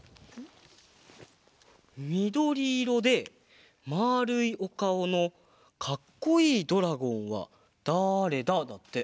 「みどりいろでまあるいおかおのかっこいいドラゴンはだれだ？」だって。